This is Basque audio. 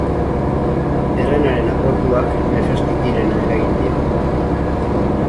Herrenaren akorduak Nefertitirena eragin dio.